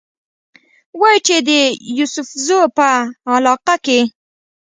وايي چې د يوسفزو پۀ علاقه کښې